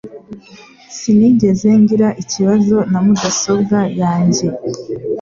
Sinigeze ngira ikibazo na mudasobwa yanjye.